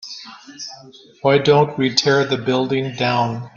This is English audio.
why don't we tear the building down?